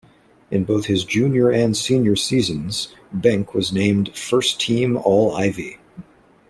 In both his junior and senior seasons, Behncke was named first team All-Ivy.